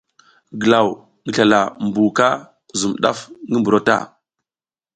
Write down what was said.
Glaw ngi slala mbuka zum daf ngi buro ta.